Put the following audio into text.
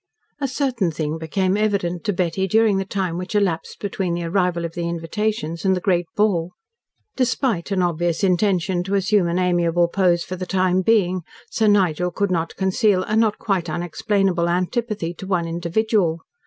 ..... A certain thing became evident to Betty during the time which elapsed between the arrival of the invitations and the great ball. Despite an obvious intention to assume an amiable pose for the time being, Sir Nigel could not conceal a not quite unexplainable antipathy to one individual.